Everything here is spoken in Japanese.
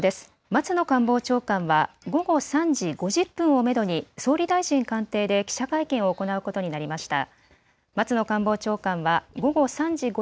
松野官房長官は午後３時５０分をめどに総理大臣官邸で記者会見を行うことになりました。